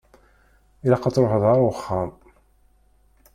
Ilaq ad ṛuḥeɣ ar uxxam.